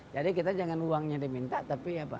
jadi kita jangan uangnya diminta tapi ya pak